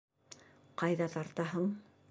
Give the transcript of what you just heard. Ҡайҙа тартаһың?